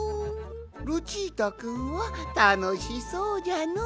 ルチータくんはたのしそうじゃのう。